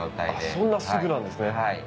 そんなすぐなんですね。